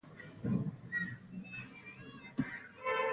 د ډهلي له بریالیو پاچاهانو څخه وو.